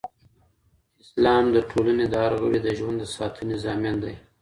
اسلام د ټولني د هر غړي د ژوند د ساتني ضامن دی.